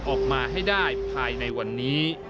ออกมาให้ได้ภายในวันนี้